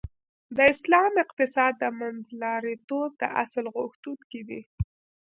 د اسلام اقتصاد د منځلاریتوب د اصل غوښتونکی دی .